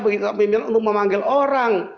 bagi pimpinan untuk memanggil orang